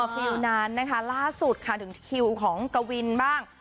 รีวิวนั้นล่าสุดถึงคู่ของกวินบ้าง